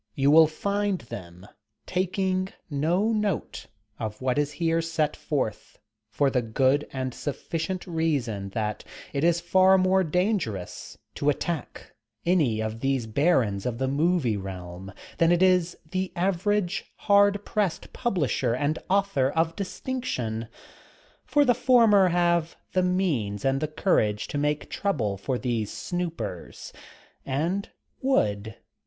You will find them taking no note of what is here set forth, for the good and sufficient reason that it is far more dangerous to attack any of these barons of the movie realm than it is the average hard pressed publisher and author of distinction. For the former have the means and the courage to make trouble for these snoopers. And would.